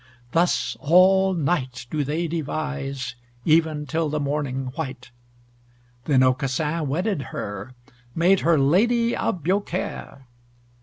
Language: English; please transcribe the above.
Thus all night do they devise, Even till the morning white. Then Aucassin wedded her, Made her Lady of Biaucaire.